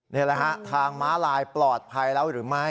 นี่แหละฮะทางม้าลายปลอดภัยแล้วหรือไม่